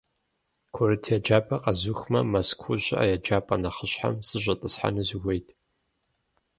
Курыт еджапӀэр къэзухмэ, Мэзкуу щыӀэ еджапӏэ нэхъыщхьэм сыщӏэтӏысхьэну сыхуейт.